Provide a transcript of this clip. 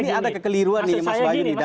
ini ada kekeliruan nih mas bayu nih